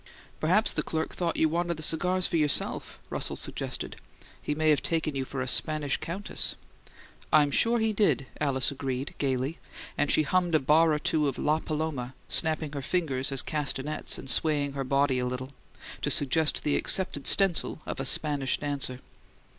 "Perhaps the clerk thought you wanted the cigars for yourself," Russell suggested. "He may have taken you for a Spanish countess." "I'm sure he did!" Alice agreed, gaily; and she hummed a bar or two of "LaPaloma," snapping her fingers as castanets, and swaying her body a little, to suggest the accepted stencil of a "Spanish Dancer."